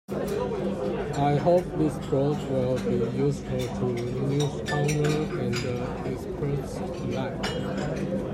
I hope this blog will be useful to newcomers and experts alike.